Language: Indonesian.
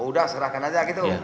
udah serahkan aja gitu